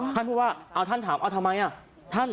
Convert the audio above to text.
ก็ผู้ว่าท่านถามทำไม